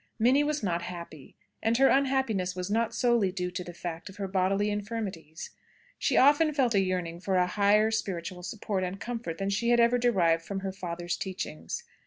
Minnie was not happy; and her unhappiness was not solely due to the fact of her bodily infirmities. She often felt a yearning for a higher spiritual support and comfort than she had ever derived from her father's teachings.